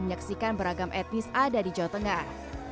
menyaksikan beragam etnis ada di jawa tengah